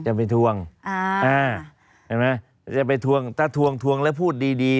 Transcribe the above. จะไปทวงเห็นไหมจะไปทวงถ้าทวงแล้วพูดดี